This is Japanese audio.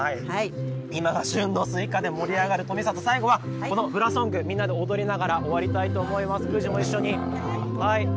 今が旬のスイカで盛り上がる富里、最後はこのフラソング、みんなで踊りながら終わりたいと思います。